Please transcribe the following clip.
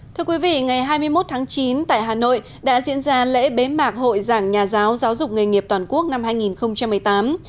thưa quý vị ngày hai mươi một tháng chín tại hà nội đã diễn ra lễ bế mạc hội giảng nhà giáo giáo dục nghề nghiệp toàn quốc năm hai nghìn một mươi tám